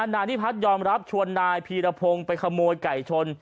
นายนิพัฒนยอมรับชวนนายพีรพงศ์ไปขโมยไก่ชน